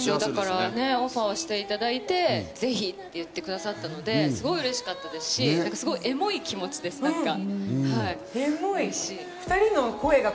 オファーしていただいてぜひって言ってくださったので、すごくうれしかったですし、エモい気持ちっていうか。